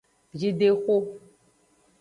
Jidexo.